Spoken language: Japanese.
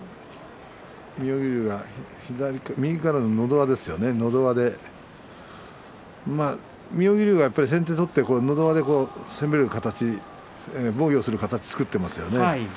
妙義龍が右からののど輪で妙義龍が先手を取ってのど輪で攻める形防御する形を作っていますね。